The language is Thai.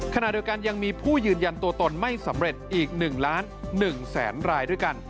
ขณะเดียวกันยังมีผู้ยืนยันตัวตนไม่สำเร็จอีก๑ล้าน๑แสนรายด้วยกัน